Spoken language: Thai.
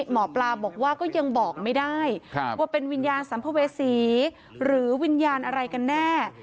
หมอปลาบอกว่าก็ยังบอกไม่ได้ว่าเป็นวิญญาณสัมภเวษีหรือวิญญาณอะไรกันแน่